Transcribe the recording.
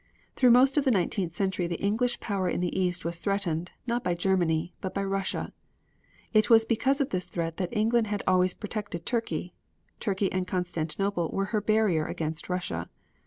Through most of the nineteenth century the English power in the East was threatened, not by Germany, but by Russia. It was because of this threat that England had always protected Turkey. Turkey and Constantinople were her barrier against Russia.